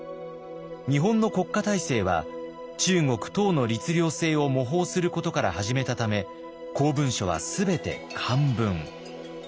日本の国家体制は中国・唐の律令制を模倣することから始めたため公文書は全て漢文。